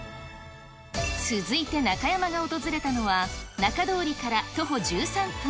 続いて中山が訪れたのは、仲通りから徒歩１３分。